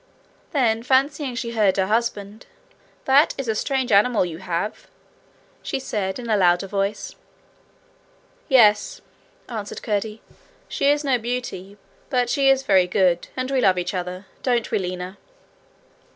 Then fancying she heard her husband, 'That is a strange animal you have,' she said, in a louder voice. 'Yes,' answered Curdie. 'She is no beauty, but she is very good, and we love each other. Don't we, Lina?'